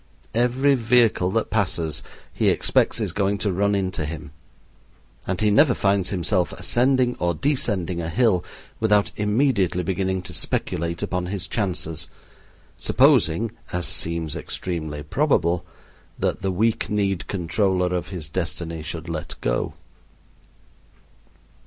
Every vehicle that passes he expects is going to run into him; and he never finds himself ascending or descending a hill without immediately beginning to speculate upon his chances, supposing as seems extremely probable that the weak kneed controller of his destiny should let go.